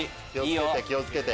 気を付けて！